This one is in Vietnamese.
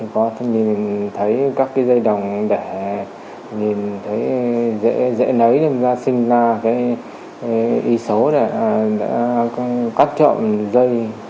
có nhìn thấy các dây đồng để nhìn thấy dễ lấy sinh ra y số để cắt trộn dây